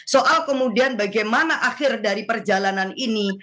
soal kemudian bagaimana akhir dari perjalanan ini